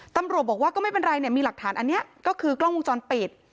ตำรวจบอกว่าก็ไม่เป็นไรเนี่ยมีหลักฐานอันนี้ก็คือกล้องวงจรปิด